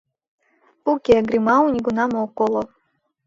Уке, Гримау нигунам ок коло